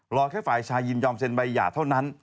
รอแค่ฝ่ายชายยินยอมเซ็นใบหย่าเท่านั้น